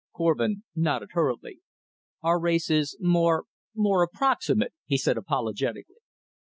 Korvin nodded hurriedly. "Our race is more ... more approximate," he said apologetically.